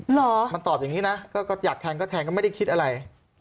เหรอมันตอบอย่างนี้นะก็อยากแทงก็แทงก็ไม่ได้คิดอะไร